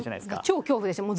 超恐怖でしたよ。